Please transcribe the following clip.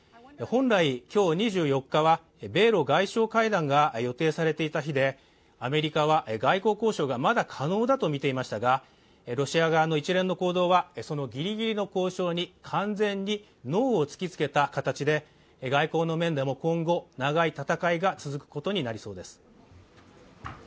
本来、今日２４日は米ロ外相会談が予定されていた日でアメリカは外交交渉がまだ可能だとみていましたがロシア側の一連の行動はそのギリギリの交渉に完全にノーを突きつけた形で、外交の面でも今後長い戦いが続くことになりそうです。